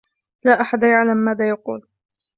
لا أحد يعلم ماذا يقول.